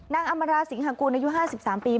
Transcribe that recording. นางอำราศิงหากูนอายุ๕๓ปี